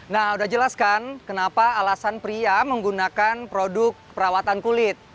nah udah jelas kan kenapa alasan pria menggunakan produk perawatan kulit